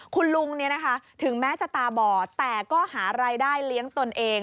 คุณลุงถึงแม้จะตาบอดแต่ก็หารายได้เลี้ยงตนเอง